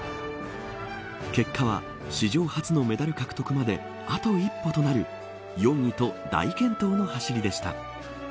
結果は史上初のメダル獲得まであと一歩となる４位と大健闘の走りでした。